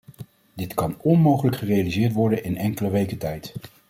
Dit kan onmogelijk gerealiseerd worden in enkele weken tijd.